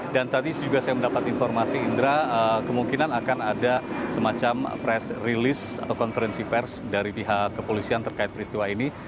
dan tadi juga saya mendapat informasi indra kemungkinan akan ada semacam press release atau konferensi pers dari pihak kepolisian terkait peristiwa ini